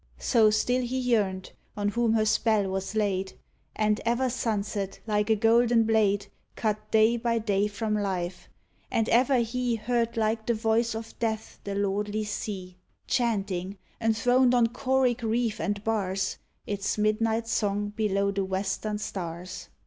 So still he yearned, on whom her spell was laid, And ever sunset, like a golden blade, Cut day by day from life, and ever he Heard like the voice of Death the lordly sea, Chanting, enthroned on choric reef and bars, Its midnight song below the western stars.